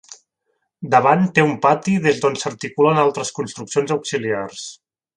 Davant té un pati des d'on s'articulen altres construccions auxiliars.